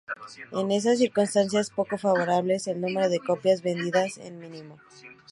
En esas circunstancias poco favorables, el número de copias vendidas es mínimo.